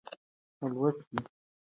لوستې میندې د ماشوم پر پاکوالي څارنه کوي.